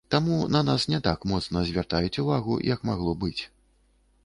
Таму на нас не так моцна звяртаюць увагу, як магло быць.